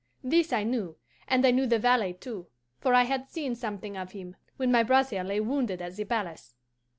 This I knew, and I knew the valet too, for I had seen something of him when my brother lay wounded at the palace.